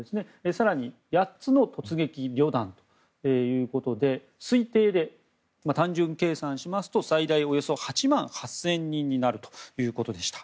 更に８つの突撃旅団ということで推定で単純計算しますと最大およそ８万８０００人になるということでした。